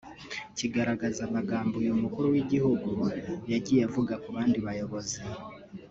kigaragaza amagambo uyu Mukuru w’Igihugu yagiye avuga ku bandi bayobozi